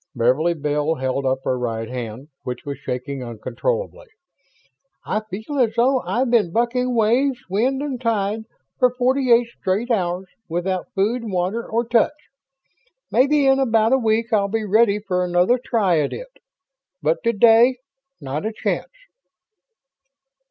Beverly Bell held up her right hand, which was shaking uncontrollably. "I feel as though I'd been bucking waves, wind and tide for forty eight straight hours without food, water or touch. Maybe in about a week I'll be ready for another try at it. But today not a chance!"